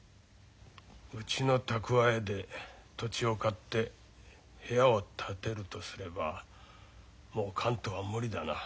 うちの蓄えで土地を買って部屋を建てるとすればもう関東は無理だな。